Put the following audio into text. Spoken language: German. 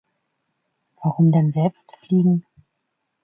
Warum denn selbst fliegen?